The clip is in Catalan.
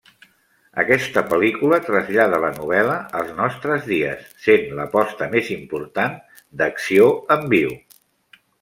Aquesta pel·lícula trasllada la novel·la als nostres dies, sent l'aposta més important d'acció en viu.